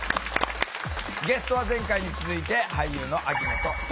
ゲストは前回に続いて俳優の秋元才加ちゃん！